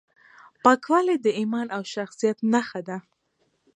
پاکوالی د ایمان او شخصیت نښه ده.